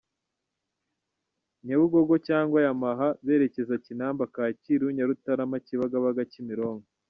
Nyabugogo cyangwa Yamaha bakerekeza Kinamba- Kacyiru-Nyarutarama- Kibagabaga-Kimironko.